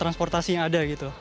transportasi yang ada gitu